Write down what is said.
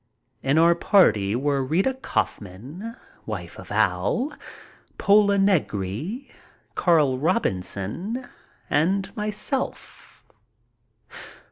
In our party were Rita Kaufman, wife of Al, Pola Negri, Carl Robinson, and myself.